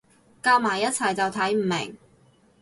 夾埋一齊就睇唔明